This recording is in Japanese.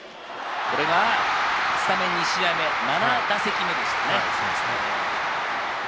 これがスタメン２試合目７打席目でした。